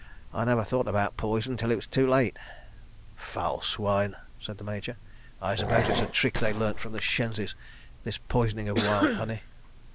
... I never thought about poison till it was too late. ..." "Foul swine!" said the Major. "I suppose it's a trick they learnt from the shenzis, this poisoning wild honey?